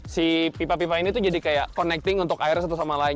si pipa pipa ini tuh jadi kayak connecting untuk airnya satu sama lain